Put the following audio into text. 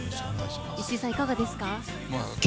石井さん、いかがですか？